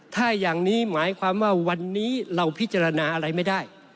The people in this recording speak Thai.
ถ้าอย่างนี้หมายความว่าวันนี้เราพิจารณาอะไรไม่ได้